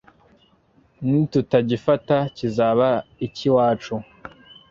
Nitutagifata kizaba iki iwacu